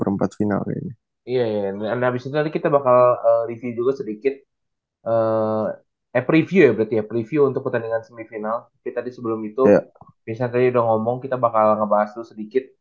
misalnya tadi udah ngomong kita bakal ngebahas dulu sedikit